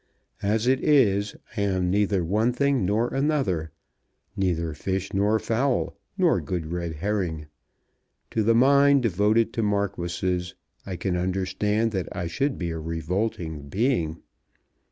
As it is, I am neither one thing nor another; neither fish nor fowl nor good red herring. To the mind devoted to marquises I can understand that I should be a revolting being.